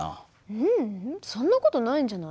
ううんそんな事ないんじゃない？